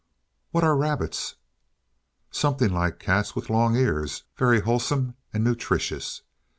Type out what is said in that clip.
"What are rabbits?" "Something like cats with long ears; very wholesome and nutritious.